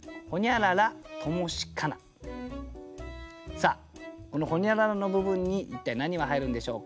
さあこのほにゃららの部分に一体何が入るんでしょうか？